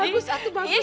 ya bagus atu bagus